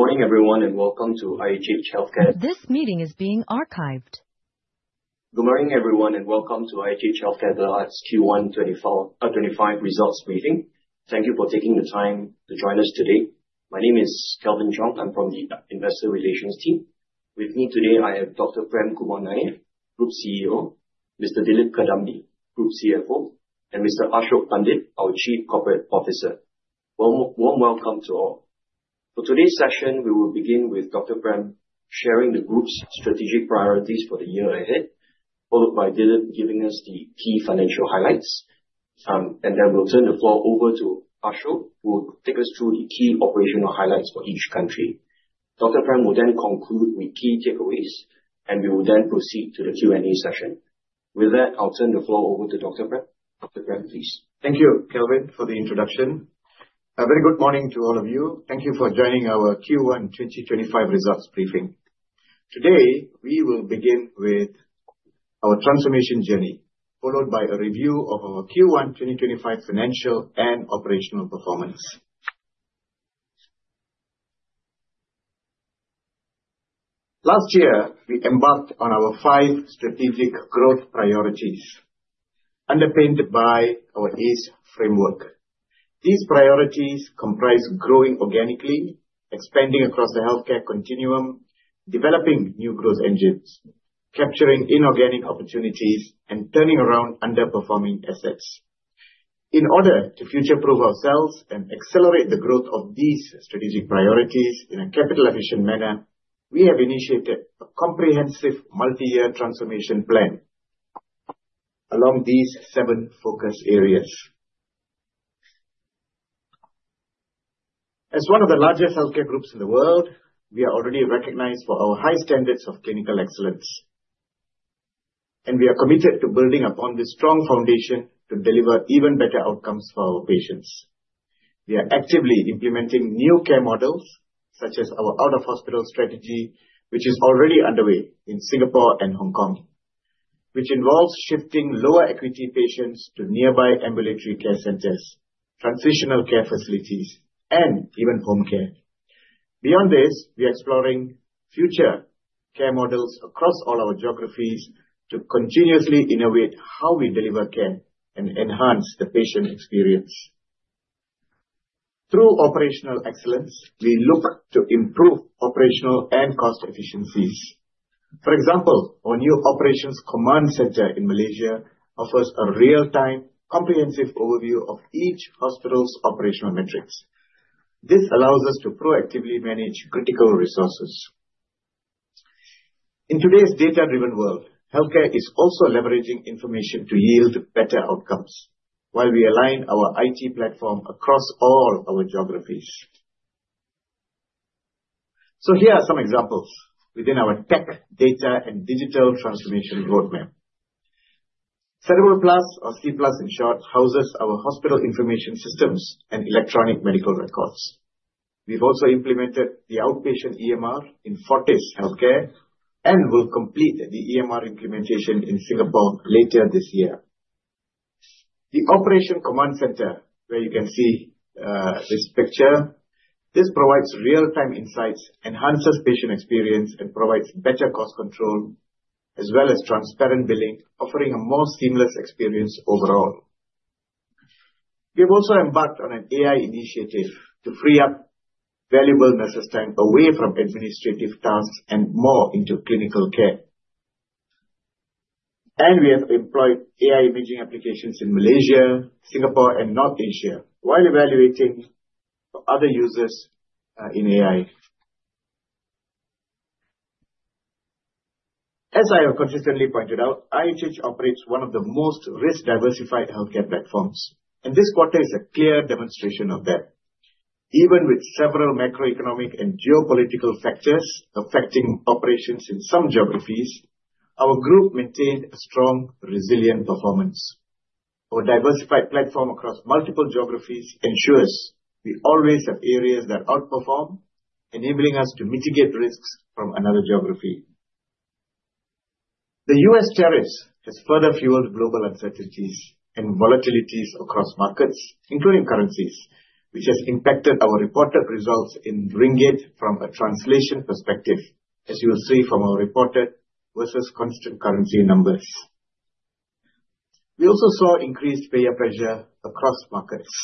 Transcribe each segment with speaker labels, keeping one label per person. Speaker 1: Good morning, everyone, and welcome to IHH Healthcare.
Speaker 2: This meeting is being archived.
Speaker 1: Good morning, everyone, and welcome to IHH Healthcare Berhad's Q1 2025 results meeting. Thank you for taking the time to join us today. My name is Kelvin Ch'ng. I'm from the Investor Relations team. With me today, I have Dr. Prem Kumar Nair, Group CEO; Mr. Dilip Kadambi, Group CFO; and Mr. Ashok Pandit, our Chief Corporate Officer. Warm welcome to all. For today's session, we will begin with Dr. Prem sharing the Group's strategic priorities for the year ahead, followed by Dilip giving us the key financial highlights. Then we will turn the floor over to Ashok, who will take us through the key operational highlights for each country. Dr. Prem will then conclude with key takeaways, and we will then proceed to the Q&A session. With that, I'll turn the floor over to Dr. Prem. Dr. Prem, please.
Speaker 3: Thank you, Kelvin, for the introduction. A very good morning to all of you. Thank you for joining our Q1 2025 results briefing. Today, we will begin with our transformation journey, followed by a review of our Q1 2025 financial and operational performance. Last year, we embarked on our five strategic growth priorities underpinned by our ACE Framework. These priorities comprise growing organically, expanding across the healthcare continuum, developing new growth engines, capturing inorganic opportunities, and turning around underperforming assets. In order to future-proof ourselves and accelerate the growth of these strategic priorities in a capital-efficient manner, we have initiated a comprehensive multi-year transformation plan along these seven focus areas. As one of the largest healthcare groups in the world, we are already recognized for our high standards of clinical excellence, and we are committed to building upon this strong foundation to deliver even better outcomes for our patients. We are actively implementing new care models, such as our out-of-hospital strategy, which is already underway in Singapore and Hong Kong, which involves shifting lower-acuity patients to nearby ambulatory care centers, transitional care facilities, and even home care. Beyond this, we are exploring future care models across all our geographies to continuously innovate how we deliver care and enhance the patient experience. Through operational excellence, we look to improve operational and cost efficiencies. For example, our new Operations Command Center in Malaysia offers a real-time, comprehensive overview of each hospital's operational metrics. This allows us to proactively manage critical resources. In today's data-driven world, healthcare is also leveraging information to yield be2tter outcomes while we align our IT platform across all our geographies. Here are some examples within our tech data and digital transformation roadmap. Cerebral Plus or C+ in short, houses our hospital information systems and electronic medical records. We've also implemented the outpatient EMR in Fortis Healthcare and will complete the EMR implementation in Singapore later this year. The Operations Command Center, where you can see this picture, provides real-time insights, enhances patient experience, and provides better cost control, as well as transparent billing, offering a more seamless experience overall. We have also embarked on an AI initiative to free up valuable nurses' time away from administrative tasks and more into clinical care. We have employed AI imaging applications in Malaysia, Singapore, and North Asia while evaluating for other users in AI. As I have consistently pointed out, IHH operates one of the most risk-diversified healthcare platforms, and this quarter is a clear demonstration of that. Even with several macroeconomic and geopolitical factors affecting operations in some geographies, our Group maintained a strong, resilient performance. Our diversified platform across multiple geographies ensures we always have areas that outperform, enabling us to mitigate risks from another geography. The U.S. tariffs have further fueled global uncertainties and volatilities across markets, including currencies, which has impacted our reported results in MYR from a translation perspective, as you will see from our reported versus constant currency numbers. We also saw increased payer pressure across markets.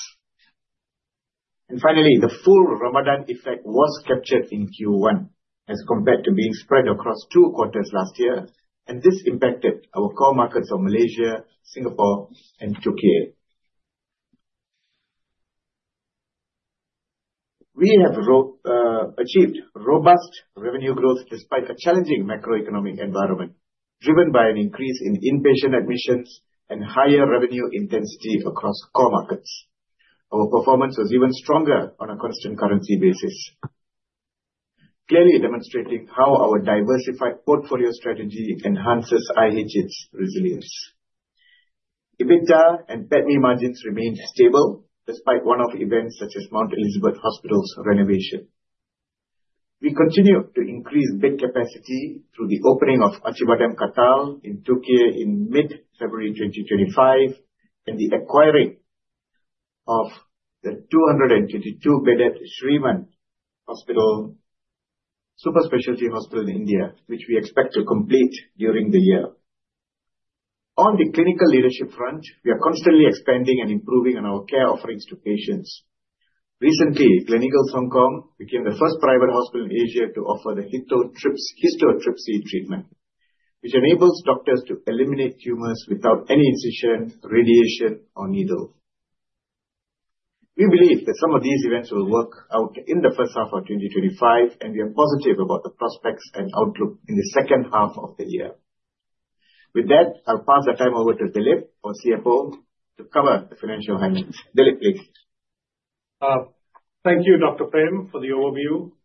Speaker 3: Finally, the full Ramadan effect was captured in Q1 as compared to being spread across two quarters last year, and this impacted our core markets of Malaysia, Singapore, and Turkey. We have achieved robust revenue growth despite a challenging macroeconomic environment driven by an increase in inpatient admissions and higher revenue intensity across core markets. Our performance was even stronger on a constant currency basis, clearly demonstrating how our diversified portfolio strategy enhances IHH's resilience. EBITDA and PATMI margins remained stable despite one-off events such as Mount Elizabeth Hospital's renovation. We continue to increase bed capacity through the opening of Acıbadem Kartal in Turkey in mid-February 2025 and the acquiring of the 222-bed Shrimann Superspecialty Hospital in India, which we expect to complete during the year. On the clinical leadership front, we are constantly expanding and improving our care offerings to patients. Recently, Clinicals Hong Kong became the first private hospital in Asia to offer the Histotripsy treatment, which enables doctors to eliminate tumors without any incision, radiation, or needle. We believe that some of these events will work out in the first half of 2025, and we are positive about the prospects and outlook in the second half of the year. With that, I'll pass the time over to Dilip, our CFO, to cover the financial highlights. Dilip, please.
Speaker 4: Thank you, Dr. Prem, for the overview.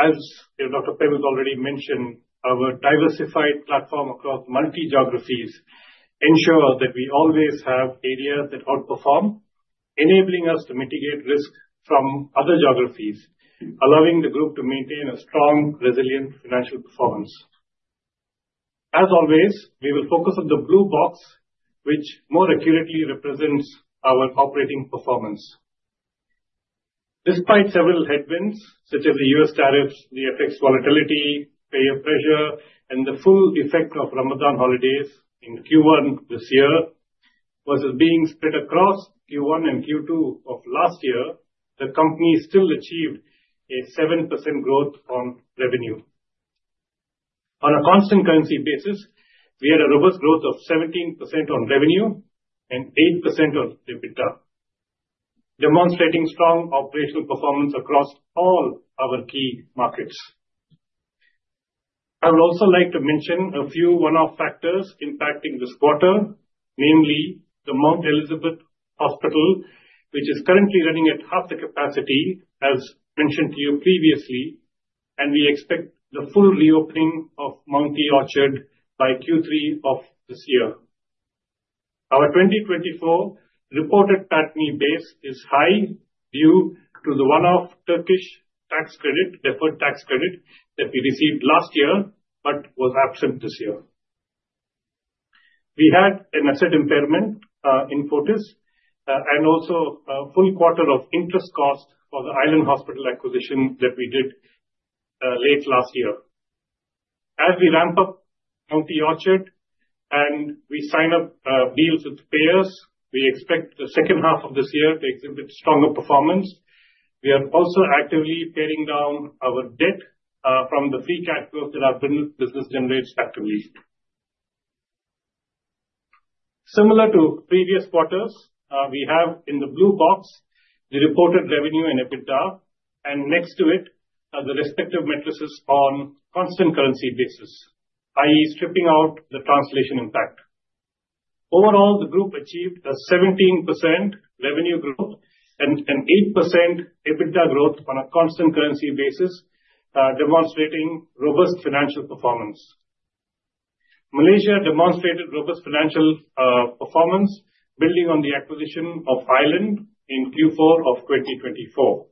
Speaker 4: As Dr. Prem has already mentioned, our diversified platform across multi-geographies ensures that we always have areas that outperform, enabling us to mitigate risk from other geographies, allowing the Group to maintain a strong, resilient financial performance. As always, we will focus on the blue box, which more accurately represents our operating performance. Despite several headwinds such as the U.S. tariffs, the FX volatility, payer pressure, and the full effect of Ramadan holidays in Q1 this year, versus being spread across Q1 and Q2 of last year, the company still achieved a 7% growth on revenue. On a constant currency basis, we had a robust growth of 17% on revenue and 8% on EBITDA, demonstrating strong operational performance across all our key markets. I would also like to mention a few one-off factors impacting this quarter, namely the Mount Elizabeth Hospital, which is currently running at half the capacity, as mentioned to you previously, and we expect the full reopening of Mount E Orchard by Q3 of this year. Our 2024 reported PATMI base is high due to the one-off Turkish tax credit, deferred tax credit, that we received last year but was absent this year. We had an asset impairment in Fortis and also a full quarter of interest cost for the Island Hospital acquisition that we did late last year. As we ramp up Mount Elizabeth Orchard and we sign up deals with payers, we expect the second half of this year to exhibit stronger performance. We are also actively paring down our debt from the free cash flow that our business generates actively. Similar to previous quarters, we have in the blue box the reported revenue and EBITDA, and next to it are the respective matrices on a constant currency basis, i.e., stripping out the translation impact. Overall, the Group achieved a 17% revenue growth and an 8% EBITDA growth on a constant currency basis, demonstrating robust financial performance. Malaysia demonstrated robust financial performance, building on the acquisition of Island in Q4 of 2024.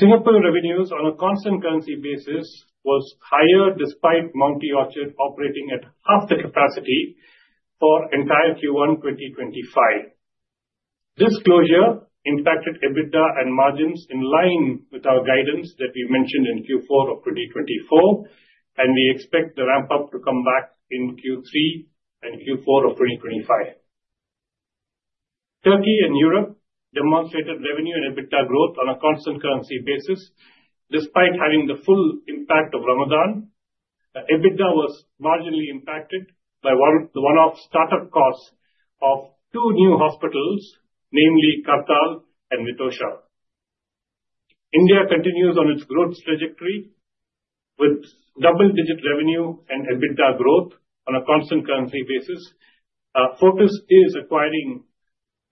Speaker 4: Singapore revenues on a constant currency basis was higher despite Mount E Orchard operating at half the capacity for entire Q1 2025. This closure impacted EBITDA and margins in line with our guidance that we mentioned in Q4 of 2024, and we expect the ramp-up to come back in Q3 and Q4 of 2025. Turkey and Europe demonstrated revenue and EBITDA growth on a constant currency basis. Despite having the full impact of Ramadan, EBITDA was marginally impacted by the one-off startup costs of two new hospitals, namely Kartal and Mitosha. India continues on its growth trajectory with double-digit revenue and EBITDA growth on a constant currency basis. Fortis is acquiring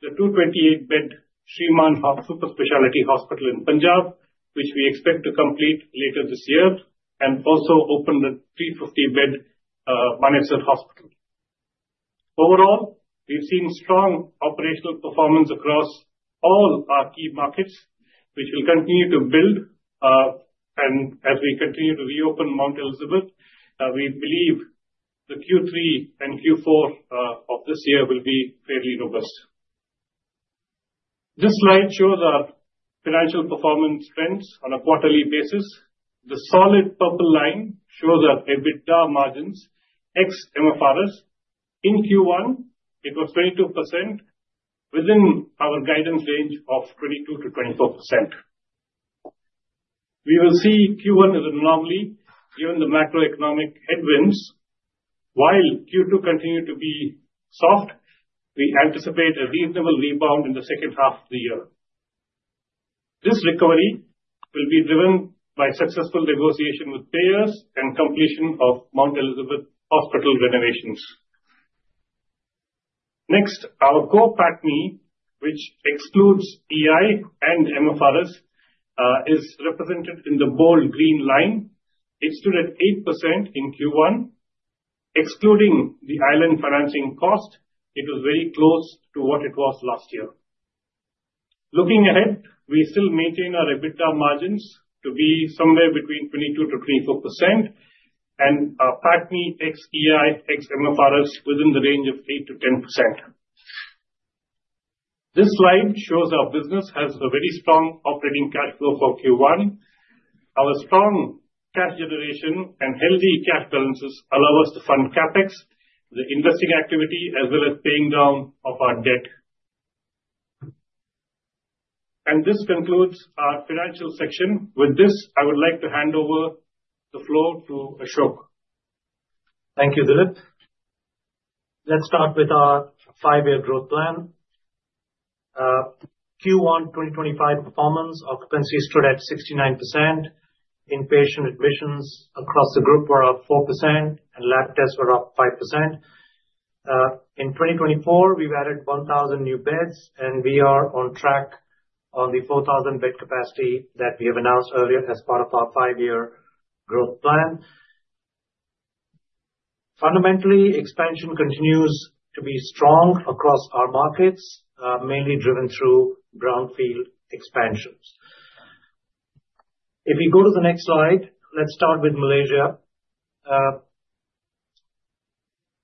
Speaker 4: the 228-bed Shrimann Superspecialty Hospital in Punjab, which we expect to complete later this year, and also open the 350-bed Manesar Hospital. Overall, we have seen strong operational performance across all our key markets, which will continue to build. As we continue to reopen Mount Elizabeth, we believe the Q3 and Q4 of this year will be fairly robust. This slide shows our financial performance trends on a quarterly basis. The solid purple line shows our EBITDA margins, ex-MFRs, in Q1. It was 22%, within our guidance range of 22%-24%. We will see Q1 as an anomaly given the macroeconomic headwinds. While Q2 continued to be soft, we anticipate a reasonable rebound in the second half of the year. This recovery will be driven by successful negotiation with payers and completion of Mount Elizabeth Hospital renovations. Next, our core PATMI, which excludes EI and MFRs, is represented in the bold green line. It stood at 8% in Q1. Excluding the Island financing cost, it was very close to what it was last year. Looking ahead, we still maintain our EBITDA margins to be somewhere between 22%-24% and our PATMI ex EI, ex MFRs, within the range of 8%-10%. This slide shows our business has a very strong operating cash flow for Q1. Our strong cash generation and healthy cash balances allow us to fund CapEx, the investing activity, as well as paying down our debt. This concludes our financial section. With this, I would like to hand over the floor to Ashok.
Speaker 5: Thank you, Dilip. Let's start with our five-year growth plan. Q1 2025 performance occupancy stood at 69%. Inpatient admissions across the group were up 4%, and lab tests were up 5%. In 2024, we've added 1,000 new beds, and we are on track on the 4,000-bed capacity that we have announced earlier as part of our five-year growth plan. Fundamentally, expansion continues to be strong across our markets, mainly driven through brownfield expansions. If we go to the next slide, let's start with Malaysia.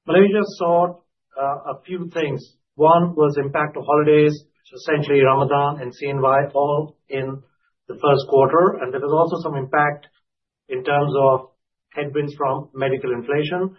Speaker 5: Malaysia saw a few things. One was the impact of holidays, which is essentially Ramadan and CNY, all in the first quarter. There was also some impact in terms of headwinds from medical inflation.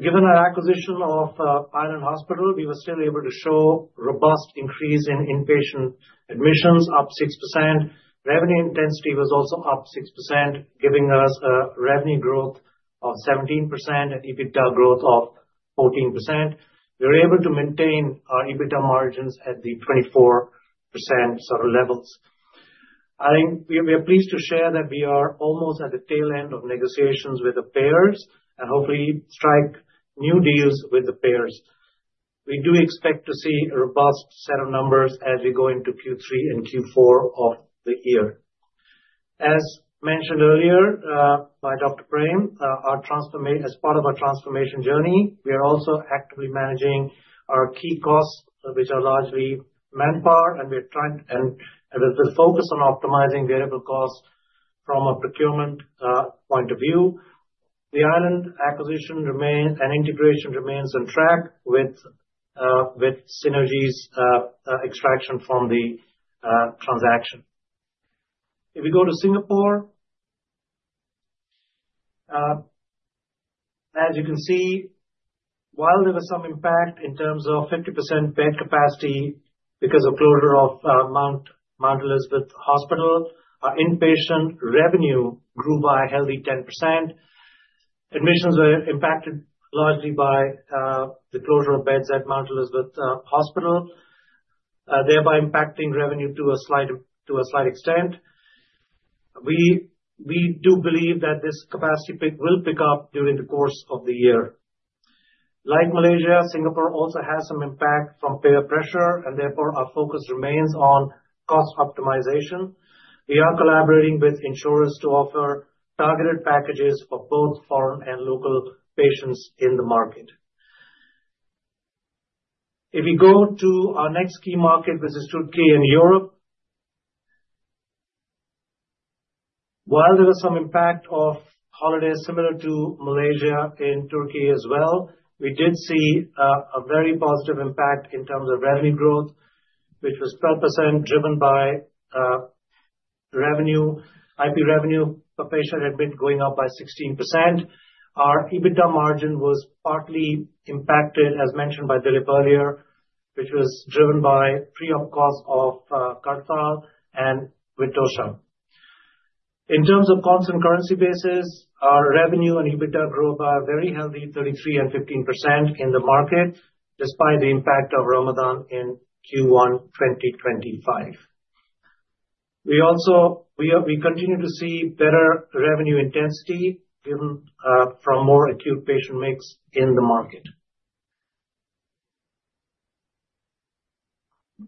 Speaker 5: Given our acquisition of Island Hospital, we were still able to show a robust increase in inpatient admissions, up 6%. Revenue intensity was also up 6%, giving us a revenue growth of 17% and EBITDA growth of 14%. We were able to maintain our EBITDA margins at the 24% sort of levels. I think we are pleased to share that we are almost at the tail end of negotiations with the payers and hopefully strike new deals with the payers. We do expect to see a robust set of numbers as we go into Q3 and Q4 of the year. As mentioned earlier by Dr. Prem, as part of our transformation journey, we are also actively managing our key costs, which are largely manpower, and we're trying to focus on optimizing variable costs from a procurement point of view. The Island acquisition and integration remain on track with Synergy's extraction from the transaction. If we go to Singapore, as you can see, while there was some impact in terms of 50% bed capacity because of the closure of Mount Elizabeth Hospital, our inpatient revenue grew by a healthy 10%. Admissions were impacted largely by the closure of beds at Mount Elizabeth Hospital, thereby impacting revenue to a slight extent. We do believe that this capacity will pick up during the course of the year. Like Malaysia, Singapore also has some impact from payer pressure, and therefore our focus remains on cost optimization. We are collaborating with insurers to offer targeted packages for both foreign and local patients in the market. If we go to our next key market, which is Türkiye and Europe, while there was some impact of holidays similar to Malaysia in Türkiye as well, we did see a very positive impact in terms of revenue growth, which was 12%, driven by IP revenue per patient admit going up by 16%. Our EBITDA margin was partly impacted, as mentioned by Dilip earlier, which was driven by the pre-op cost of Kartal and Mitosha. In terms of constant currency basis, our revenue and EBITDA grew by a very healthy 33% and 15% in the market, despite the impact of Ramadan in Q1 2025. We continue to see better revenue intensity from more acute patient mix in the market.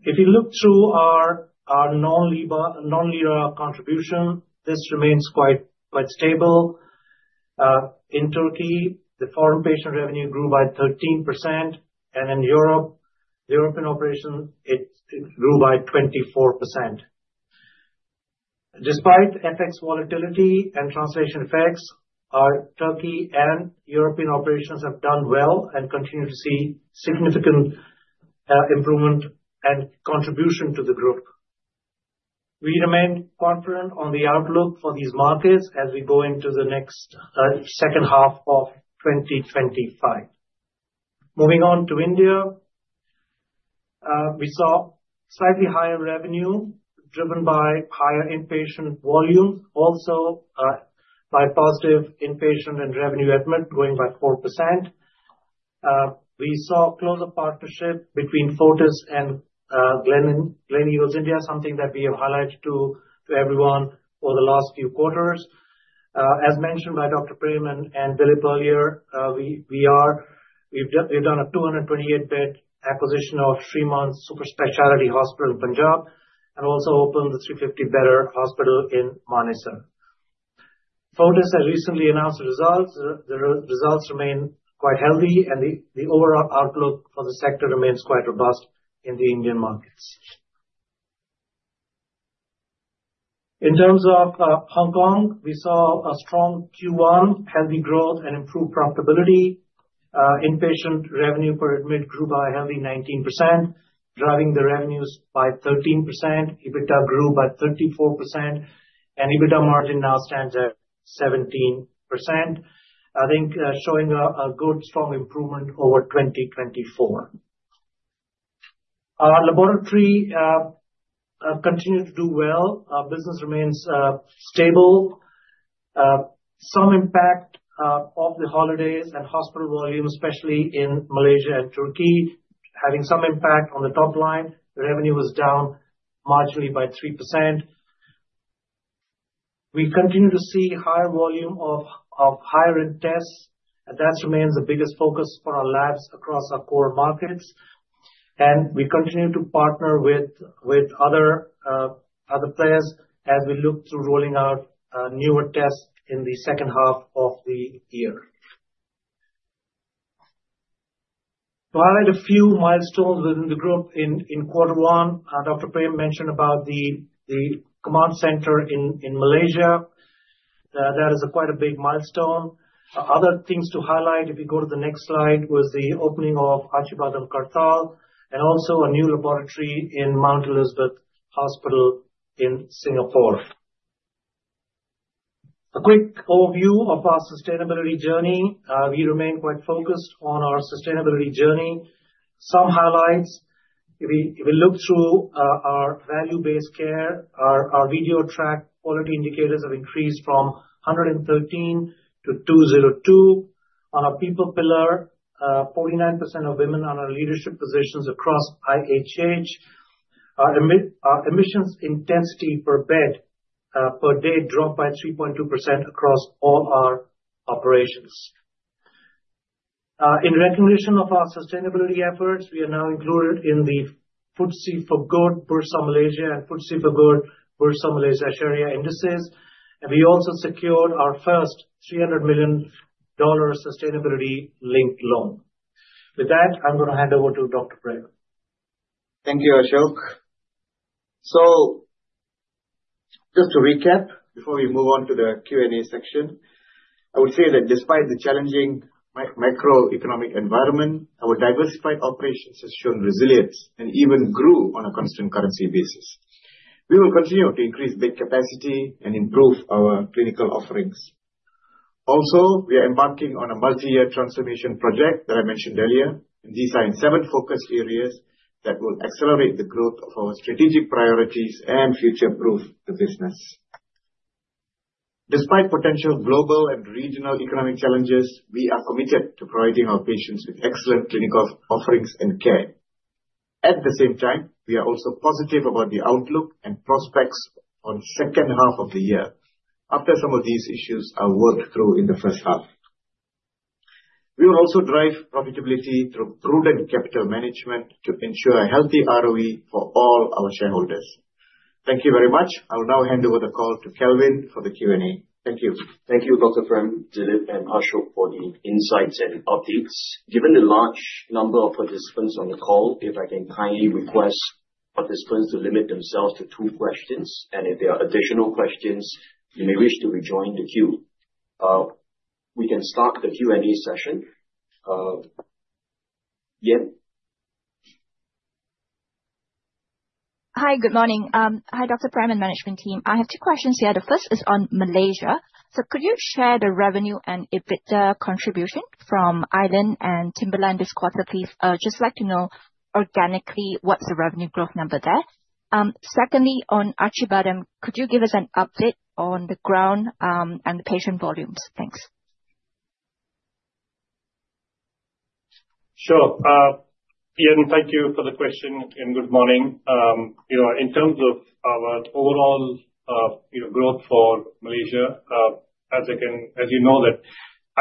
Speaker 5: If you look through our non-leader contribution, this remains quite stable. In Türkiye, the foreign patient revenue grew by 13%, and in Europe, the European operations grew by 24%. Despite FX volatility and translation effects, our Turkey and European operations have done well and continue to see significant improvement and contribution to the group. We remain confident on the outlook for these markets as we go into the next second half of 2025. Moving on to India, we saw slightly higher revenue driven by higher inpatient volumes, also by positive inpatient and revenue admit going by 4%. We saw a close-up partnership between Fortis and Gleneagles India, something that we have highlighted to everyone over the last few quarters. As mentioned by Dr. Prem and Dilip earlier, we've done a 228-bed acquisition of Shrimann Superspecialty Hospital in Punjab and also opened the 350-bed hospital in Manesar. Fortis has recently announced the results. The results remain quite healthy, and the overall outlook for the sector remains quite robust in the Indian markets. In terms of Hong Kong, we saw a strong Q1, healthy growth, and improved profitability. Inpatient revenue per admit grew by a healthy 19%, driving the revenues by 13%. EBITDA grew by 34%, and EBITDA margin now stands at 17%, I think showing a good strong improvement over 2024. Our laboratory continues to do well. Our business remains stable. Some impact of the holidays and hospital volume, especially in Malaysia and Turkey, having some impact on the top line. The revenue was down marginally by 3%. We continue to see a higher volume of higher-rate tests, and that remains the biggest focus for our labs across our core markets. We continue to partner with other players as we look to rolling out newer tests in the second half of the year. To highlight a few milestones within the group in quarter one, Dr. Prem mentioned about the Operations Command Center in Malaysia. That is quite a big milestone. Other things to highlight, if we go to the next slide, was the opening of Acıbadem Kartal and also a new laboratory in Mount Elizabeth Hospital in Singapore. A quick overview of our sustainability journey. We remain quite focused on our sustainability journey. Some highlights, if we look through our value-based care, our video track quality indicators have increased from 113 to 202. On our people pillar, 49% of women on our leadership positions across IHH. Our emissions intensity per bed per day dropped by 3.2% across all our operations. In recognition of our sustainability efforts, we are now included in the FTSE for Good Bursa Malaysia and FTSE for Good Bursa Malaysia Sharia indices. We also secured our first $300 million sustainability-linked loan. With that, I'm going to hand over to Dr. Prem.
Speaker 3: Thank you, Ashok. Just to recap before we move on to the Q&A section, I would say that despite the challenging macroeconomic environment, our diversified operations have shown resilience and even grew on a constant currency basis. We will continue to increase bed capacity and improve our clinical offerings. Also, we are embarking on a multi-year transformation project that I mentioned earlier. These are in seven focus areas that will accelerate the growth of our strategic priorities and future-proof the business. Despite potential global and regional economic challenges, we are committed to providing our patients with excellent clinical offerings and care. At the same time, we are also positive about the outlook and prospects for the second half of the year after some of these issues are worked through in the first half. We will also drive profitability through prudent capital management to ensure a healthy ROE for all our shareholders. Thank you very much. I will now hand over the call to Kelvin for the Q&A. Thank you.
Speaker 1: Thank you, Dr. Prem, Dilip, and Ashok for the insights and updates. Given the large number of participants on the call, if I can kindly request participants to limit themselves to two questions, and if there are additional questions, you may wish to rejoin the queue. We can start the Q&A session. Yip.
Speaker 6: Hi, good morning. Hi, Dr. Prem and management team. I have two questions here. The first is on Malaysia. Could you share the revenue and EBITDA contribution from Island and Timberland this quarter, please? Just like to know organically what's the revenue growth number there. Secondly, on Acıbadem, could you give us an update on the ground and the patient volumes? Thanks.
Speaker 4: Sure. Yip, thank you for the question and good morning. In terms of our overall growth for Malaysia, as you know,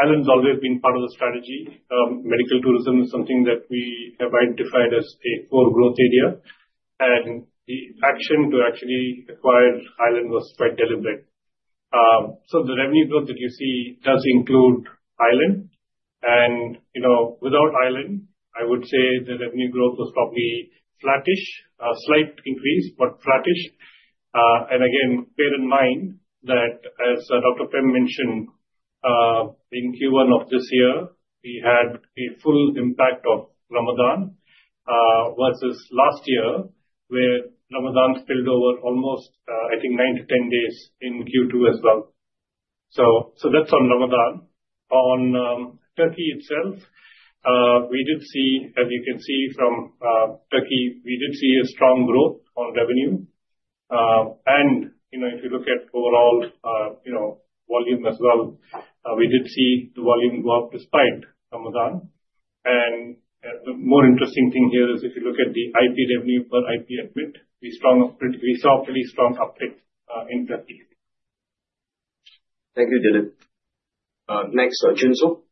Speaker 4: Island has always been part of the strategy. Medical tourism is something that we have identified as a core growth area. The action to actually acquire Island was quite deliberate. The revenue growth that you see does include Island. Without Island, I would say the revenue growth was probably flattish, a slight increase, but flattish. Bear in mind that as Dr. Prem mentioned, in Q1 of this year, we had a full impact of Ramadan versus last year where Ramadan spilled over almost, I think, 9-10 days in Q2 as well. That is on Ramadan. On Turkey itself, we did see, as you can see from Turkey, we did see a strong growth on revenue. If you look at overall volume as well, we did see the volume go up despite Ramadan. The more interesting thing here is if you look at the IP revenue per IP admit, we saw a pretty strong uptick in Türkiye.
Speaker 1: Thank you, Dilip. Next, Jun Suk.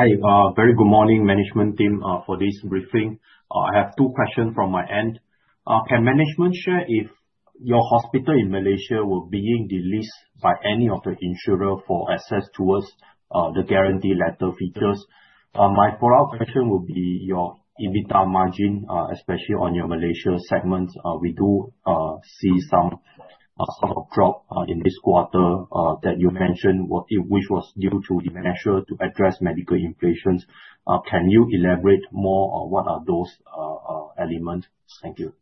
Speaker 6: Hi, very good morning, management team for this briefing. I have two questions from my end. Can management share if your hospital in Malaysia will be in the list by any of the insurers for access towards the guarantee letter features? My follow-up question will be your EBITDA margin, especially on your Malaysia segment. We do see some sort of drop in this quarter that you mentioned, which was due to the measure to address medical inflations. Can you elaborate more on what are those elements? Thank you.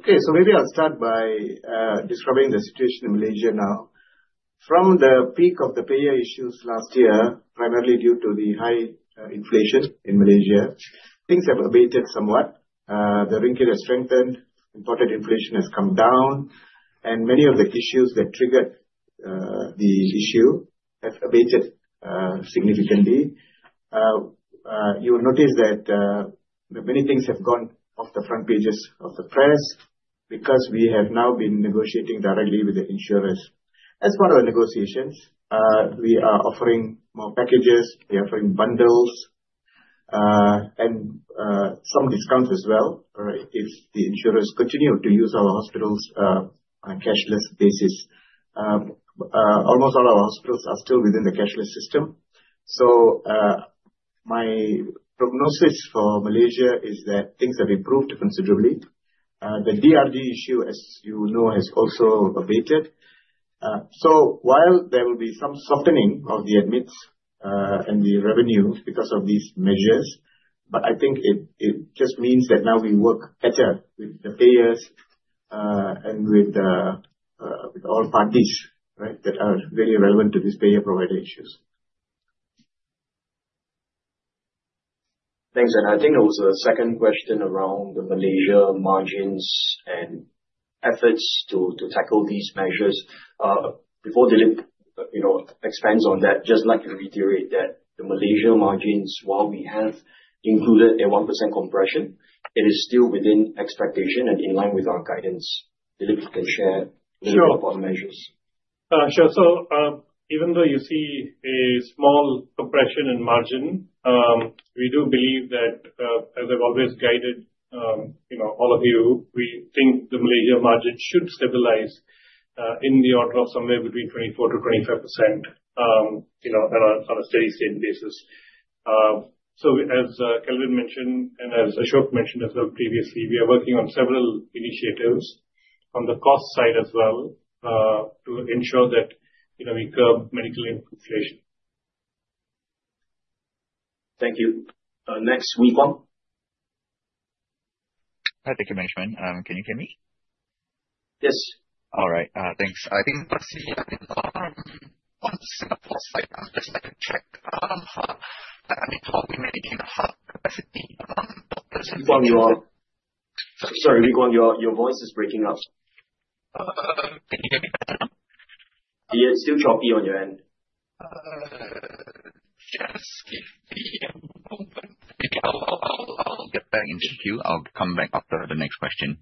Speaker 4: Okay, so maybe I'll start by describing the situation in Malaysia now. From the peak of the payer issues last year, primarily due to the high inflation in Malaysia, things have abated somewhat. The MYR has strengthened, imported inflation has come down, and many of the issues that triggered the issue have abated significantly. You will notice that many things have gone off the front pages of the press because we have now been negotiating directly with the insurers. As part of the negotiations, we are offering more packages. We are offering bundles and some discounts as well if the insurers continue to use our hospitals on a cashless basis. Almost all our hospitals are still within the cashless system. My prognosis for Malaysia is that things have improved considerably. The DRG issue, as you know, has also abated. While there will be some softening of the admits and the revenue because of these measures, I think it just means that now we work better with the payers and with all parties that are really relevant to these payer provider issues.
Speaker 1: Thanks. I think there was a second question around the Malaysia margins and efforts to tackle these measures. Before Dilip expands on that, just like to reiterate that the Malaysia margins, while we have included a 1% compression, it is still within expectation and in line with our guidance. Dilip, you can share a little bit about measures.
Speaker 3: Sure. Even though you see a small compression in margin, we do believe that, as I've always guided all of you, we think the Malaysia margin should stabilize in the order of somewhere between 24%-25% on a steady state basis. As Kelvin mentioned and as Ashok mentioned as well previously, we are working on several initiatives on the cost side as well to ensure that we curb medical inflation.
Speaker 1: Thank you. Next, Wing Wong.
Speaker 6: Hi, thank you, management. Can you hear me?
Speaker 1: Yes.
Speaker 6: All right. Thanks. I think I'm on the phone side. I'm just like a check. I'm in talking managing the hub capacity among doctors.
Speaker 3: Wing Wong, you are?
Speaker 1: Sorry, Wing Wong, your voice is breaking up.
Speaker 6: Can you hear me better now?
Speaker 1: Yeah, it's still choppy on your end.
Speaker 6: Just give me a moment. I'll get back into the queue. I'll come back after the next question.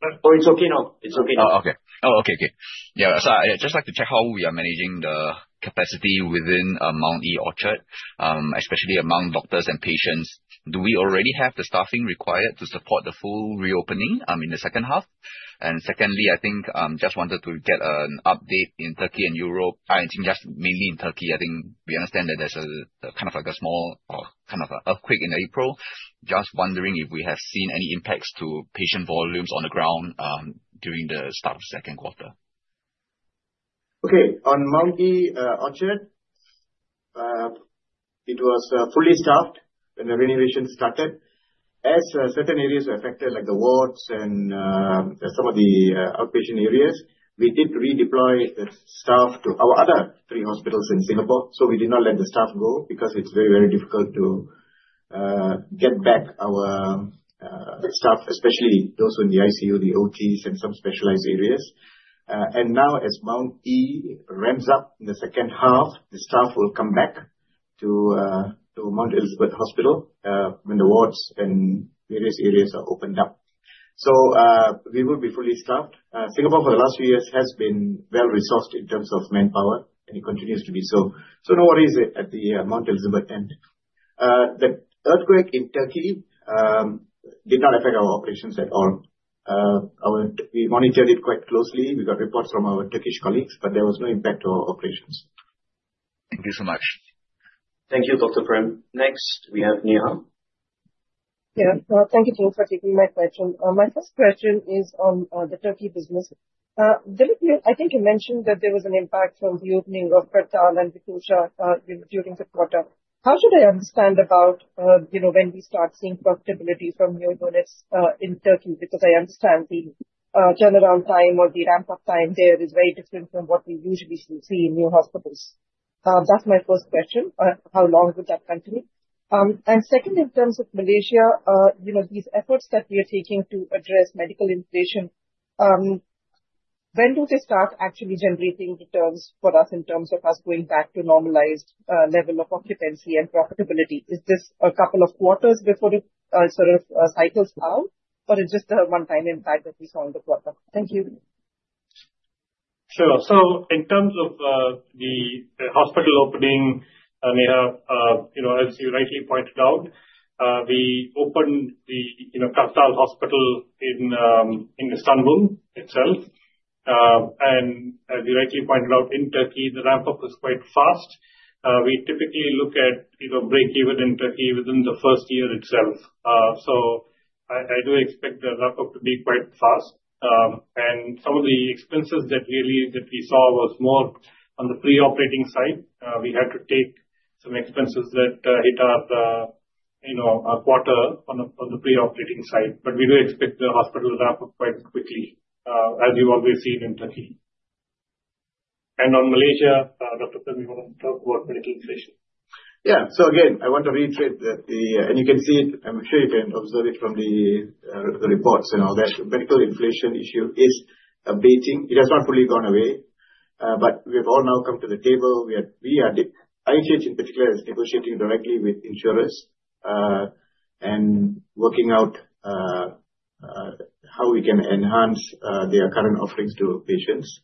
Speaker 3: Oh, it's okay now. It's okay now.
Speaker 6: Oh, okay. Oh, okay, okay. Yeah. I just like to check how we are managing the capacity within Mount Elizabeth Orchard, especially among doctors and patients. Do we already have the staffing required to support the full reopening in the second half? Secondly, I think just wanted to get an update in Turkey and Europe. I think just mainly in Turkey, I think we understand that there is kind of like a small kind of earthquake in April. Just wondering if we have seen any impacts to patient volumes on the ground during the start of the second quarter.
Speaker 3: Okay. On Mount E Orchard, it was fully staffed when the renovation started. As certain areas were affected, like the wards and some of the outpatient areas, we did redeploy the staff to our other three hospitals in Singapore. We did not let the staff go because it's very, very difficult to get back our staff, especially those in the ICU, the OTs, and some specialized areas. Now, as Mount E ramps up in the second half, the staff will come back to Mount Elizabeth Hospital when the wards and various areas are opened up. We will be fully staffed. Singapore, for the last few years, has been well-resourced in terms of manpower, and it continues to be so. No worries at the Mount Elizabeth end. The earthquake in Turkey did not affect our operations at all. We monitored it quite closely. We got reports from our Turkish colleagues, but there was no impact to our operations.
Speaker 6: Thank you so much.
Speaker 1: Thank you, Dr. Prem. Next, we have Nia.
Speaker 6: Yeah. Thank you, Dilip, for taking my question. My first question is on the Türkiye business. Dilip, I think you mentioned that there was an impact from the opening of Kartal and Biturja during the quarter. How should I understand about when we start seeing profitability from new units in Türkiye? Because I understand the turnaround time or the ramp-up time there is very different from what we usually see in new hospitals. That's my first question. How long would that continue? Second, in terms of Malaysia, these efforts that we are taking to address medical inflation, when do they start actually generating returns for us in terms of us going back to a normalized level of occupancy and profitability? Is this a couple of quarters before it sort of cycles out, or is it just the one-time impact that we saw in the quarter? Thank you.
Speaker 4: Sure. In terms of the hospital opening, Nia, as you rightly pointed out, we opened the Kartal Hospital in Istanbul itself. As you rightly pointed out, in Türkiye, the ramp-up was quite fast. We typically look at break-even in Türkiye within the first year itself. I do expect the ramp-up to be quite fast. Some of the expenses that we saw were more on the pre-operating side. We had to take some expenses that hit our quarter on the pre-operating side. We do expect the hospital ramp-up quite quickly, as you've always seen in Türkiye. On Malaysia, Dr. Prem, you want to talk about medical inflation?
Speaker 3: Yeah. Again, I want to reiterate that the—and you can see it. I'm sure you can observe it from the reports. The medical inflation issue is abating. It has not fully gone away. We have all now come to the table. IHH, in particular, is negotiating directly with insurers and working out how we can enhance their current offerings to patients.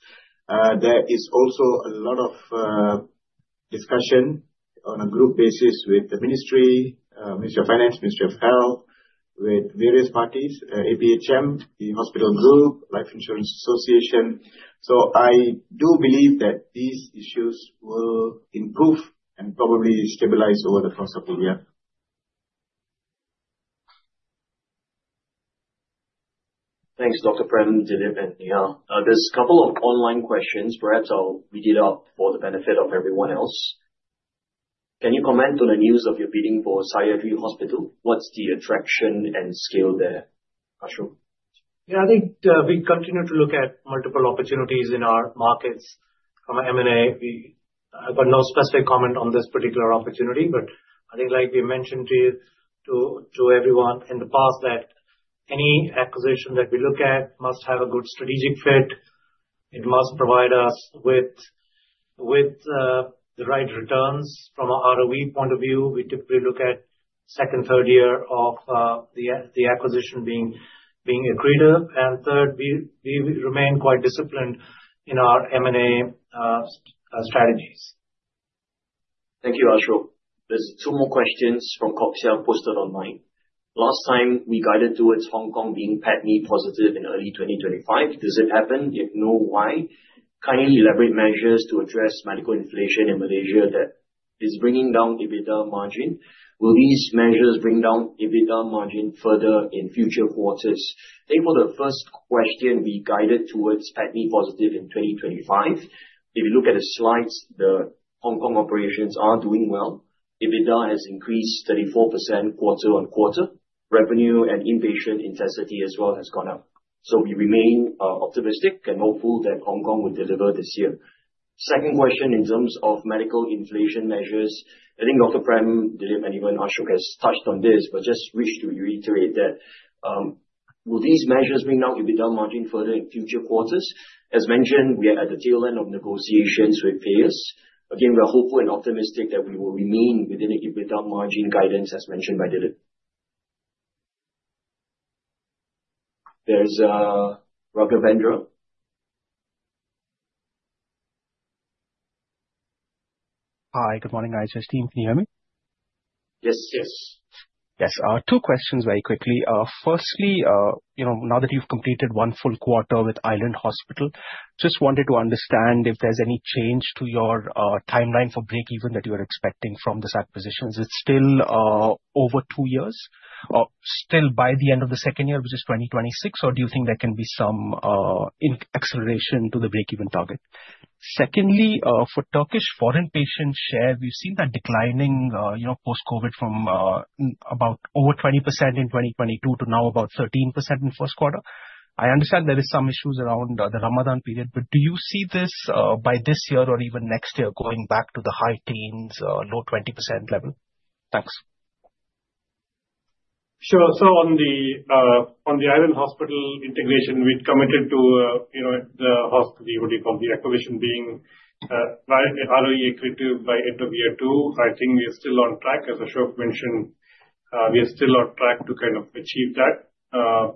Speaker 3: There is also a lot of discussion on a group basis with the Ministry of Finance, Ministry of Health, with various parties, APHM, the hospital group, Life Insurance Association. I do believe that these issues will improve and probably stabilize over the course of the year.
Speaker 1: Thanks, Dr. Prem, Dilip, and Nair. There are a couple of online questions. Perhaps I'll read it out for the benefit of everyone else. Can you comment on the news of your bidding for Syedry Hospital? What's the attraction and scale there, Ashok?
Speaker 5: Yeah, I think we continue to look at multiple opportunities in our markets from M&A. I've got no specific comment on this particular opportunity, but I think, like we mentioned to everyone in the past, that any acquisition that we look at must have a good strategic fit. It must provide us with the right returns from an ROE point of view. We typically look at second, third year of the acquisition being accredited. Third, we remain quite disciplined in our M&A strategies.
Speaker 1: Thank you, Ashok. There are two more questions from Coxia posted online. Last time, we guided towards Hong Kong being PATMI positive in early 2025. Does it happen? If no, why? Kindly elaborate measures to address medical inflation in Malaysia that is bringing down EBITDA margin. Will these measures bring down EBITDA margin further in future quarters? Thank you for the first question. We guided towards PATMI positive in 2025. If you look at the slides, the Hong Kong operations are doing well. EBITDA has increased 34% quarter on quarter. Revenue and inpatient intensity as well has gone up. We remain optimistic and hopeful that Hong Kong will deliver this year. Second question in terms of medical inflation measures. I think Dr. Prem, Dilip, and even Ashok have touched on this, but just wish to reiterate that. Will these measures bring down EBITDA margin further in future quarters? As mentioned, we are at the tail end of negotiations with payers. Again, we are hopeful and optimistic that we will remain within the EBITDA margin guidance as mentioned by Dilip. There's Raghavendra.
Speaker 6: Hi, good morning, IHH team. Can you hear me?
Speaker 1: Yes, yes.
Speaker 6: Yes. Two questions very quickly. Firstly, now that you've completed one full quarter with Island Hospital, just wanted to understand if there's any change to your timeline for break-even that you are expecting from this acquisition. Is it still over two years, still by the end of the second year, which is 2026, or do you think there can be some acceleration to the break-even target? Secondly, for Turkish foreign patient share, we've seen that declining post-COVID from about over 20% in 2022 to now about 13% in first quarter. I understand there are some issues around the Ramadan period, but do you see this by this year or even next year going back to the high teens, low 20% level? Thanks.
Speaker 4: Sure. On the Island Hospital integration, we'd committed to the hospital from the acquisition being ROE accredited by end of year two. I think we are still on track. As Ashok mentioned, we are still on track to kind of achieve that.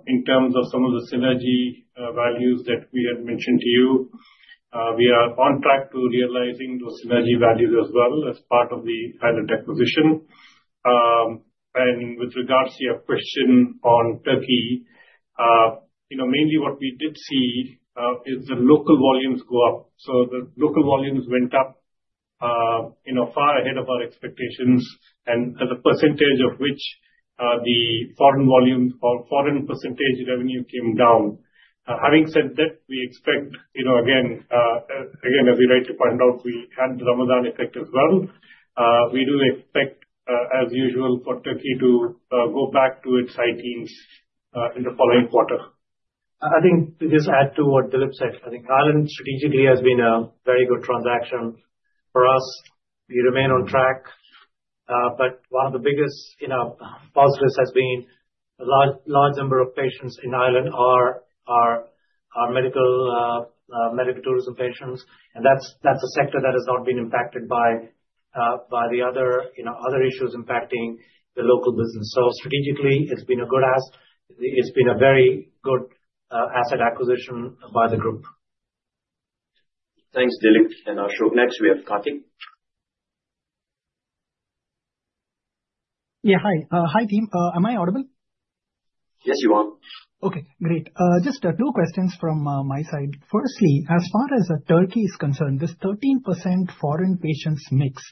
Speaker 4: In terms of some of the synergy values that we had mentioned to you, we are on track to realizing those synergy values as well as part of the pilot acquisition. With regards to your question on Turkey, mainly what we did see is the local volumes go up. The local volumes went up far ahead of our expectations, and as a percentage of which the foreign volume or foreign percentage revenue came down. Having said that, we expect, again, as you rightly pointed out, we had the Ramadan effect as well. We do expect, as usual, for Turkey to go back to its high teens in the following quarter.
Speaker 5: I think to just add to what Dilip said, I think Island strategically has been a very good transaction for us. We remain on track. One of the biggest positives has been a large number of patients in Island are medical tourism patients. That's a sector that has not been impacted by the other issues impacting the local business. Strategically, it's been a good asset. It's been a very good asset acquisition by the group.
Speaker 1: Thanks, Dilip and Ashok. Next, we have Karthik.
Speaker 6: Yeah, hi. Hi, team. Am I audible?
Speaker 1: Yes, you are.
Speaker 6: Okay, great. Just two questions from my side. Firstly, as far as Turkey is concerned, this 13% foreign patients mix,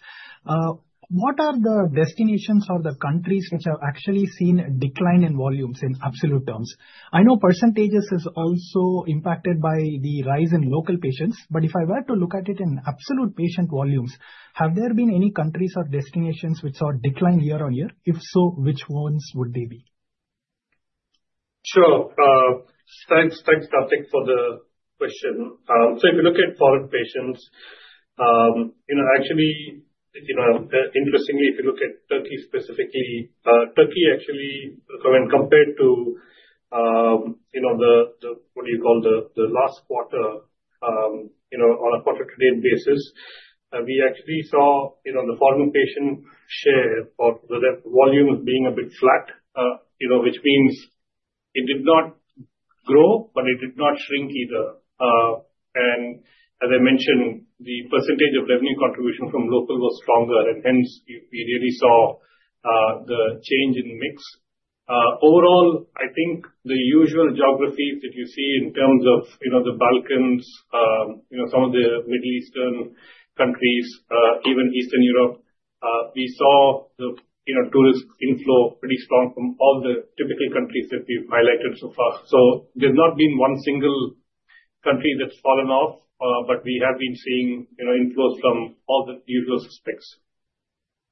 Speaker 6: what are the destinations or the countries which have actually seen a decline in volumes in absolute terms? I know percentages are also impacted by the rise in local patients, but if I were to look at it in absolute patient volumes, have there been any countries or destinations which saw a decline year on year? If so, which ones would they be?
Speaker 4: Sure. Thanks, Karthik, for the question. If you look at foreign patients, actually, interestingly, if you look at Türkiye specifically, Türkiye actually, when compared to the, what do you call, the last quarter, on a quarter-to-date basis, we actually saw the foreign patient share or the volume being a bit flat, which means it did not grow, but it did not shrink either. As I mentioned, the percentage of revenue contribution from local was stronger, and hence, we really saw the change in mix. Overall, I think the usual geographies that you see in terms of the Balkans, some of the Middle Eastern countries, even Eastern Europe, we saw the tourist inflow pretty strong from all the typical countries that we've highlighted so far. There has not been one single country that's fallen off, but we have been seeing inflows from all the usual suspects.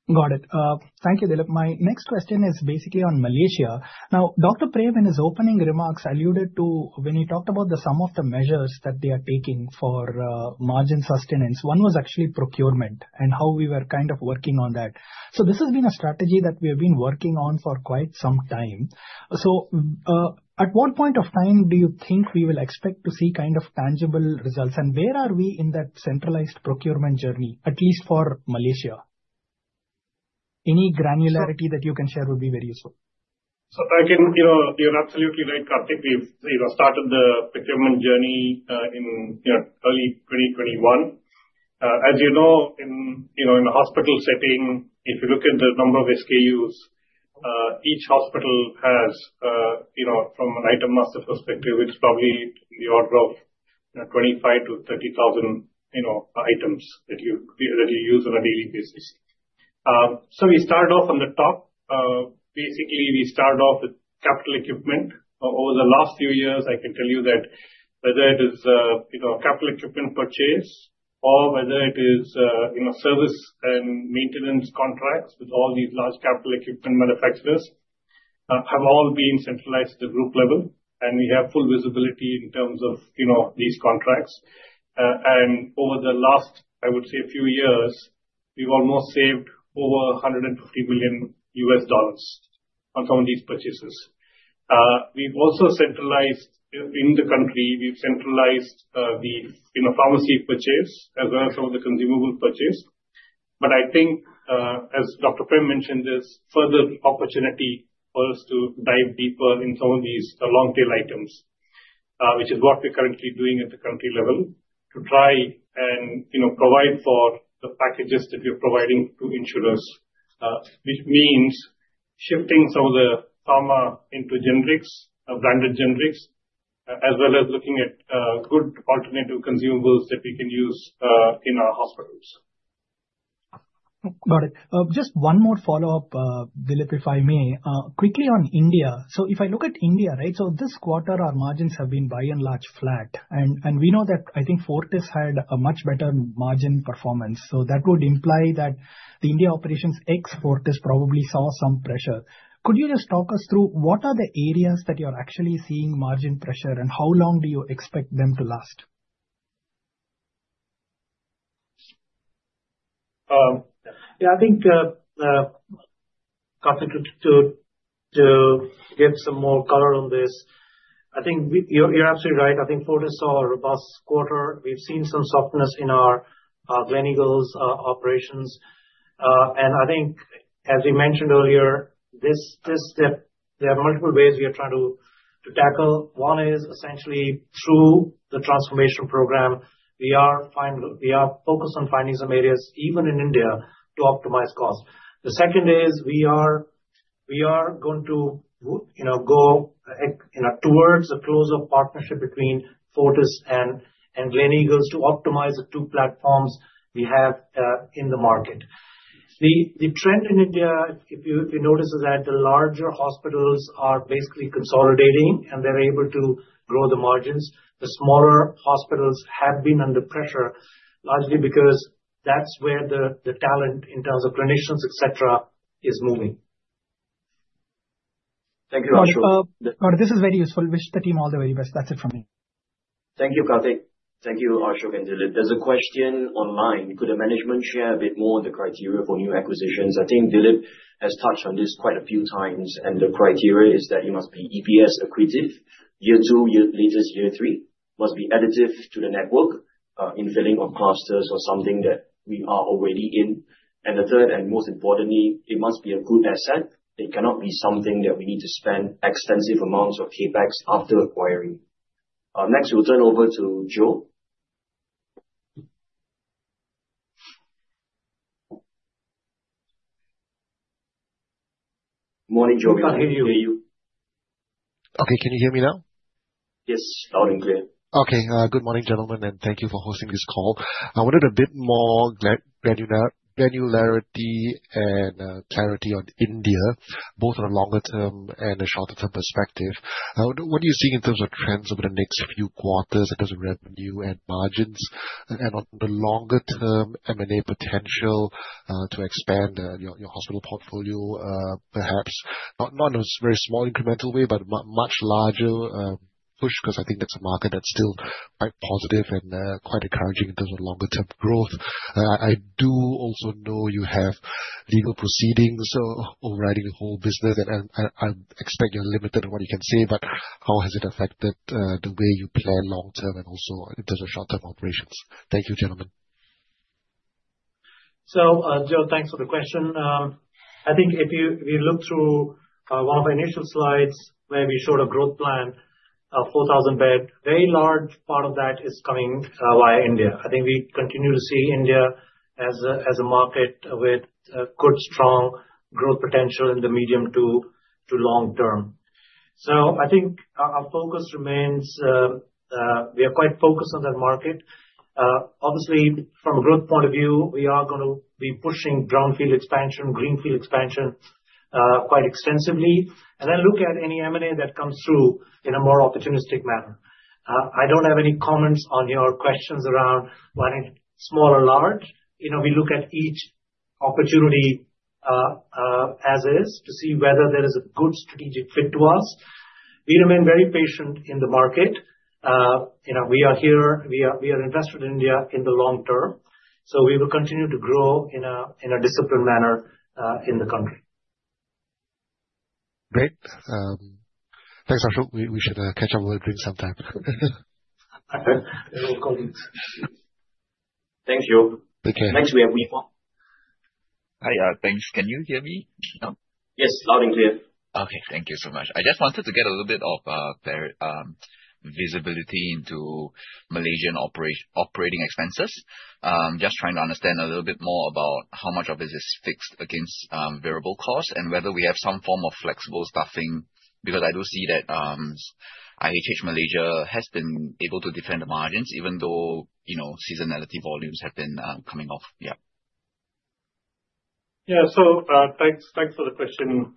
Speaker 6: Got it. Thank you, Dilip. My next question is basically on Malaysia. Now, Dr. Prem, in his opening remarks, alluded to when he talked about the sum of the measures that they are taking for margin sustenance, one was actually procurement and how we were kind of working on that. This has been a strategy that we have been working on for quite some time. At what point of time do you think we will expect to see kind of tangible results? Where are we in that centralized procurement journey, at least for Malaysia? Any granularity that you can share would be very useful.
Speaker 4: Again, you're absolutely right, Karthik. We've started the procurement journey in early 2021. As you know, in a hospital setting, if you look at the number of SKUs each hospital has, from an item master perspective, it's probably in the order of 25,000-30,000 items that you use on a daily basis. We started off on the top. Basically, we started off with capital equipment. Over the last few years, I can tell you that whether it is capital equipment purchase or whether it is service and maintenance contracts with all these large capital equipment manufacturers, have all been centralized at the group level. We have full visibility in terms of these contracts. Over the last, I would say, few years, we've almost saved over $150 million on some of these purchases. We've also centralized in the country, we've centralized the pharmacy purchase as well as some of the consumable purchase. I think, as Dr. Prem mentioned, there's further opportunity for us to dive deeper in some of these long-tail items, which is what we're currently doing at the country level, to try and provide for the packages that we're providing to insurers, which means shifting some of the pharma into generics, branded generics, as well as looking at good alternative consumables that we can use in our hospitals.
Speaker 6: Got it. Just one more follow-up, Dilip, if I may. Quickly on India. If I look at India, right, this quarter, our margins have been by and large flat. We know that, I think, Fortis had a much better margin performance. That would imply that the India operations ex Fortis probably saw some pressure. Could you just talk us through what are the areas that you're actually seeing margin pressure, and how long do you expect them to last?
Speaker 5: Yeah, I think, Karthik, to get some more color on this, I think you're absolutely right. I think Fortis saw a robust quarter. We've seen some softness in our Gleneagles operations. I think, as we mentioned earlier, there are multiple ways we are trying to tackle. One is essentially through the transformation program. We are focused on finding some areas, even in India, to optimize cost. The second is we are going to go towards a close-up partnership between Fortis and Gleneagles to optimize the two platforms we have in the market. The trend in India, if you notice, is that the larger hospitals are basically consolidating, and they're able to grow the margins. The smaller hospitals have been under pressure, largely because that's where the talent in terms of clinicians, etc., is moving.
Speaker 1: Thank you, Ashok.
Speaker 6: Ashok, this is very useful. Wish the team all the very best. That's it from me.
Speaker 1: Thank you, Karthik. Thank you, Ashok and Dilip. There's a question online. Could the management share a bit more on the criteria for new acquisitions? I think Dilip has touched on this quite a few times, and the criteria is that it must be EPS accredited, year two, latest year three, must be additive to the network in filling of clusters or something that we are already in. The third, and most importantly, it must be a good asset. It cannot be something that we need to spend extensive amounts of CapEx after acquiring. Next, we'll turn over to Joe.
Speaker 4: Good morning, Joe. I can hear you.
Speaker 6: Okay, can you hear me now?
Speaker 1: Yes, loud and clear.
Speaker 6: Okay. Good morning, gentlemen, and thank you for hosting this call. I wanted a bit more granularity and clarity on India, both on a longer-term and a shorter-term perspective. What do you see in terms of trends over the next few quarters in terms of revenue and margins and on the longer-term M&A potential to expand your hospital portfolio, perhaps not in a very small incremental way, but a much larger push because I think that's a market that's still quite positive and quite encouraging in terms of longer-term growth. I do also know you have legal proceedings overriding the whole business, and I expect you're limited in what you can say, but how has it affected the way you plan long-term and also in terms of short-term operations? Thank you, gentlemen.
Speaker 5: Joe, thanks for the question. I think if you look through one of our initial slides where we showed a growth plan of 4,000 beds, a very large part of that is coming via India. I think we continue to see India as a market with good, strong growth potential in the medium to long term. I think our focus remains we are quite focused on that market. Obviously, from a growth point of view, we are going to be pushing brownfield expansion, greenfield expansion quite extensively, and then look at any M&A that comes through in a more opportunistic manner. I do not have any comments on your questions around whether it is small or large. We look at each opportunity as is to see whether there is a good strategic fit to us. We remain very patient in the market. We are here. We are interested in India in the long term. So we will continue to grow in a disciplined manner in the country.
Speaker 6: Great. Thanks, Ashok. We should catch up. We'll drink sometime.
Speaker 1: Thank you.
Speaker 6: Take care.
Speaker 1: Thanks. We have Weema.
Speaker 6: Hi, thanks. Can you hear me?
Speaker 1: Yes, loud and clear.
Speaker 6: Okay, thank you so much. I just wanted to get a little bit of visibility into Malaysian operating expenses. Just trying to understand a little bit more about how much of it is fixed against variable costs and whether we have some form of flexible staffing because I do see that IHH Malaysia has been able to defend the margins even though seasonality volumes have been coming off. Yeah.
Speaker 3: Yeah, so thanks for the question.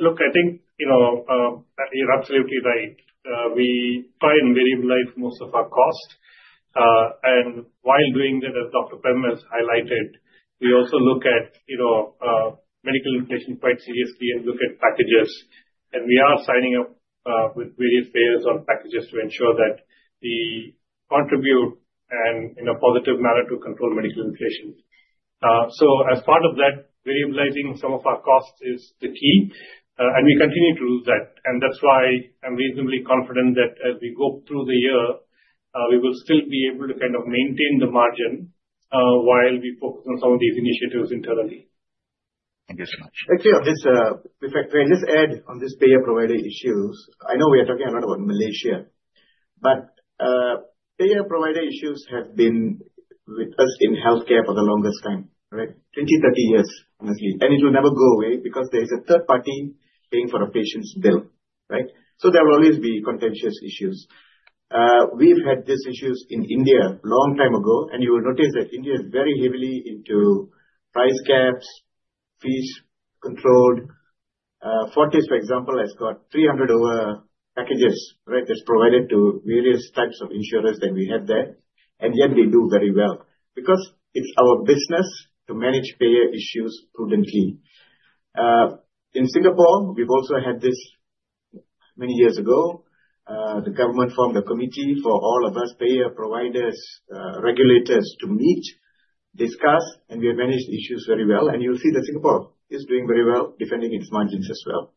Speaker 3: Look, I think you're absolutely right. We try and variabilize most of our cost. While doing that, as Dr. Prem has highlighted, we also look at medical inflation quite seriously and look at packages. We are signing up with various players on packages to ensure that we contribute in a positive manner to control medical inflation. As part of that, variabilizing some of our costs is the key. We continue to do that. That's why I'm reasonably confident that as we go through the year, we will still be able to kind of maintain the margin while we focus on some of these initiatives internally.
Speaker 6: Thank you so much.
Speaker 3: Actually, on this reflect, just add on these payer-provider issues. I know we are talking a lot about Malaysia, but payer-provider issues have been with us in healthcare for the longest time, right? Twenty, thirty years, honestly. It will never go away because there is a third party paying for a patient's bill, right? There will always be contentious issues. We've had these issues in India a long time ago, and you will notice that India is very heavily into price caps, fees controlled. Fortis, for example, has got 300-over packages, right? That's provided to various types of insurers that we have there. Yet they do very well because it's our business to manage payer issues prudently. In Singapore, we've also had this many years ago. The government formed a committee for all of us payer providers, regulators to meet, discuss, and we have managed issues very well. You will see that Singapore is doing very well, defending its margins as well.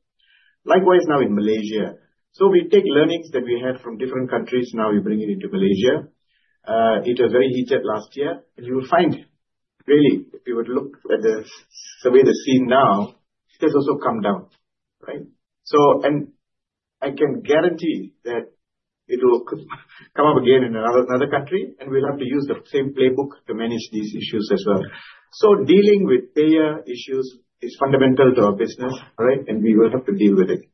Speaker 3: Likewise, now in Malaysia. We take learnings that we had from different countries. Now we bring it into Malaysia. It was very heated last year. You will find, really, if you would look at the survey that is seen now, it has also come down, right? I can guarantee that it will come up again in another country, and we will have to use the same playbook to manage these issues as well. Dealing with payer issues is fundamental to our business, right? We will have to deal with it.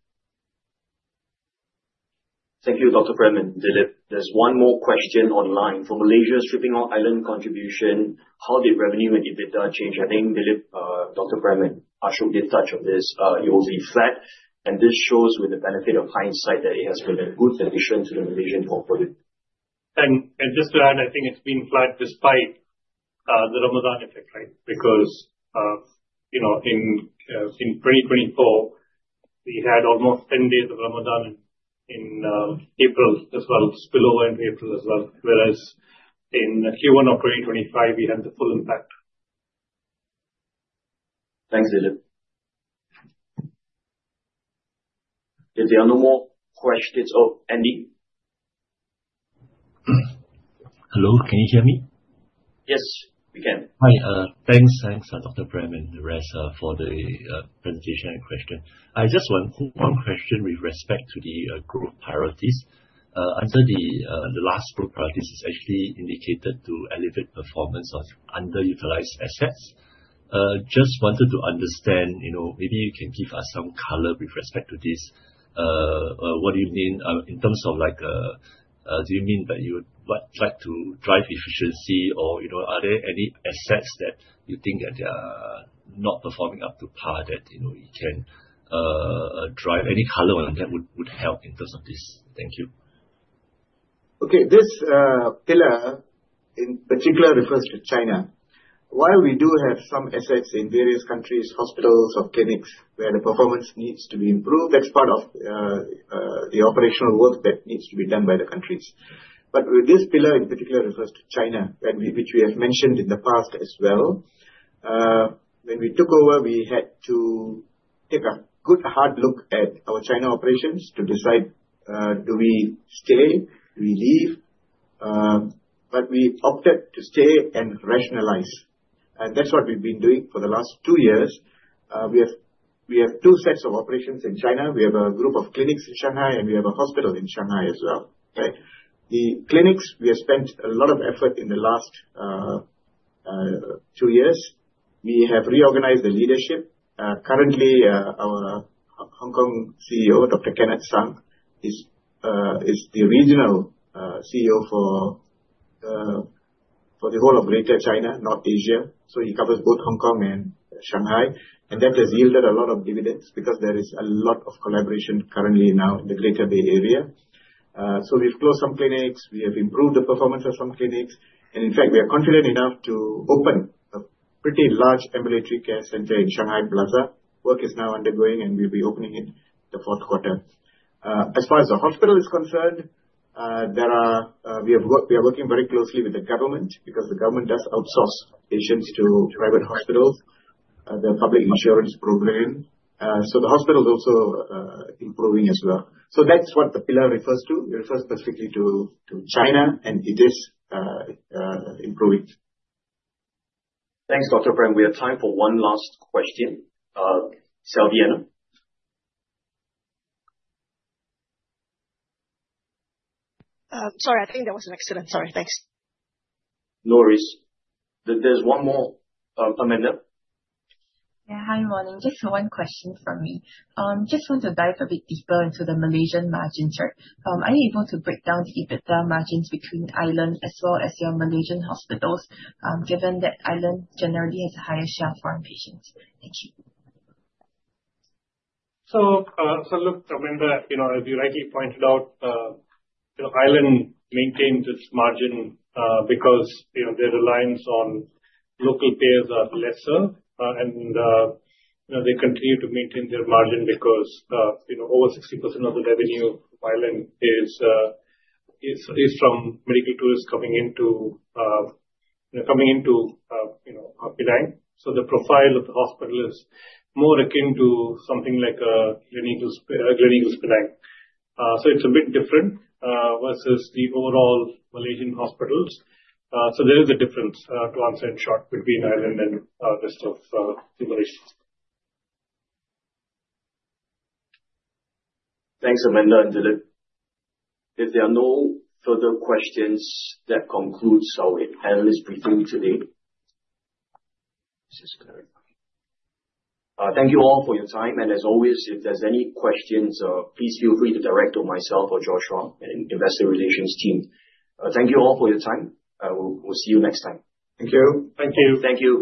Speaker 1: Thank you, Dr. Prem and Dilip. There is one more question online. For Malaysia's Island Hospital contribution, how did revenue and EBITDA change? I think Dilip, Dr. Prem, and Ashok did touch on this. It will be flat. This shows with the benefit of hindsight that it has been a good addition to the Malaysian portfolio.
Speaker 4: Just to add, I think it's been flat despite the Ramadan effect, right? Because in 2024, we had almost 10 days of Ramadan in April as well, spillover into April as well. Whereas in Q1 of 2025, we had the full impact.
Speaker 1: Thanks, Dilip. If there are no more questions, oh, Andy?
Speaker 6: Hello, can you hear me?
Speaker 1: Yes, we can.
Speaker 6: Hi, thanks, Dr. Prem and Reza for the presentation and question. I just want one question with respect to the growth priorities. I said the last growth priorities is actually indicated to elevate performance of underutilized assets. Just wanted to understand, maybe you can give us some color with respect to this. What do you mean in terms of do you mean that you would like to drive efficiency, or are there any assets that you think that they are not performing up to par that you can drive? Any color on that would help in terms of this. Thank you.
Speaker 3: Okay, this pillar in particular refers to China. While we do have some assets in various countries, hospitals or clinics, where the performance needs to be improved, that's part of the operational work that needs to be done by the countries. This pillar in particular refers to China, which we have mentioned in the past as well. When we took over, we had to take a good hard look at our China operations to decide, do we stay, do we leave? We opted to stay and rationalize. That's what we've been doing for the last two years. We have two sets of operations in China. We have a group of clinics in Shanghai, and we have a hospital in Shanghai as well, right? The clinics, we have spent a lot of effort in the last two years. We have reorganized the leadership. Currently, our Hong Kong CEO, Dr. Kenneth Sung, is the regional CEO for the whole of Greater China, not Asia. He covers both Hong Kong and Shanghai. That has yielded a lot of dividends because there is a lot of collaboration currently now in the Greater Bay Area. We have closed some clinics. We have improved the performance of some clinics. In fact, we are confident enough to open a pretty large ambulatory care center in Shanghai Plaza. Work is now undergoing, and we will be opening it in the fourth quarter. As far as the hospital is concerned, we are working very closely with the government because the government does outsource patients to private hospitals. There are public insurance programs. The hospital is also improving as well. That is what the pillar refers to. It refers specifically to China, and it is improving.
Speaker 1: Thanks, Dr. Prem. We have time for one last question. Selviana.
Speaker 6: Sorry, I think there was an accident. Sorry, thanks.
Speaker 1: No worries. There's one more, Amanda.
Speaker 6: Yeah, hi, morning. Just one question from me. Just want to dive a bit deeper into the Malaysian margin chart. Are you able to break down the EBITDA margins between Island as well as your Malaysian hospitals, given that Island generally has a higher share for our patients? Thank you.
Speaker 4: Look, Amanda, as you rightly pointed out, Island maintains its margin because their reliance on local payers is lesser. They continue to maintain their margin because over 60% of the revenue of Island is from medical tourists coming into Penang. The profile of the hospital is more akin to something like a Gleneagles Penang. It is a bit different versus the overall Malaysian hospitals. There is a difference, to answer in short, between Island and the rest of Malaysia.
Speaker 1: Thanks, Amanda and Dilip. If there are no further questions, that concludes our panelist briefing today. Thank you all for your time. If there's any questions, please feel free to direct to myself or Joshua and the investor relations team. Thank you all for your time. We'll see you next time.
Speaker 4: Thank you.
Speaker 5: Thank you. Thank you.